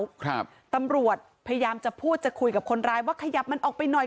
ครับตำรวจพยายามจะพูดจะคุยกับคนร้ายว่าขยับมันออกไปหน่อย